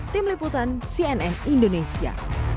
tim liputan cnn indonesia